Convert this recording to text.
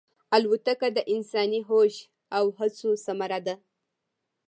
الوتکه د انساني هوش او هڅو ثمره ده.